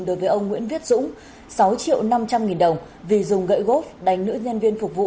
đối với ông nguyễn viết dũng sáu triệu năm trăm linh nghìn đồng vì dùng gậy gốp đánh nữ nhân viên phục vụ